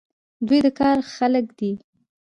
دوی د کار خلک دي.